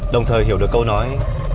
đồng thời hiểu được câu nói